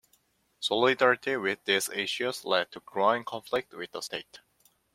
Solidarity with these issues led to growing conflict with the state.